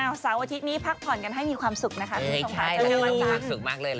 สะวัตถงอาทิตย์นี้พักผ่อนกันให้มีความสุขนะครับ